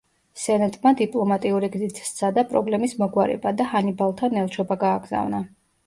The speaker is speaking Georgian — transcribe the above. სენატმა დიპლომატიური გზით სცადა პრობლემის მოგვარება და ჰანიბალთან ელჩობა გააგზავნა.